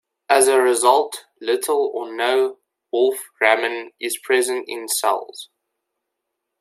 As a result, little or no wolframin is present in cells.